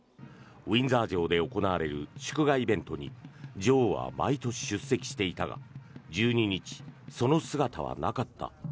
ウィンザー城で行われる祝賀イベントに女王は毎年出席していたが１２日、その姿はなかった。